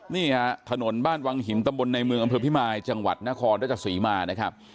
นี่ฮะถนนบ้านวังหินตำบลในเมืองอำเภอพิมายจังหวัดนครราชสีมานะครับ